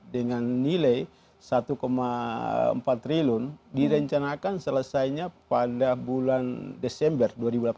dengan nilai rp satu empat triliun direncanakan selesainya pada bulan desember dua ribu delapan belas